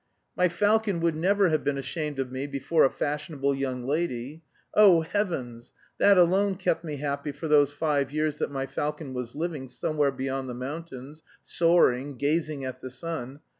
_ My falcon would never have been ashamed of me before a fashionable young lady. Oh heavens! That alone kept me happy for those five years that my falcon was living somewhere beyond the mountains, soaring, gazing at the sun....